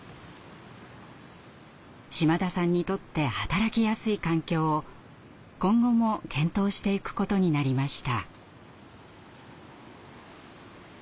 島田さんにとって働きやすい環境を今後も検討していくことになりました。